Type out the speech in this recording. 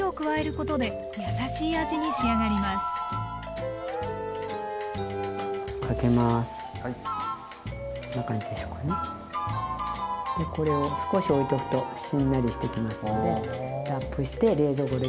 これを少しおいておくとしんなりしてきますのでラップして冷蔵庫で冷やすと冷たく食べれます。